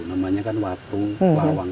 namanya kan watu lawang